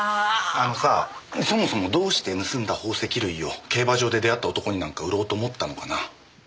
あのさそもそもどうして盗んだ宝石類を競馬場で出会った男になんか売ろうと思ったのかな？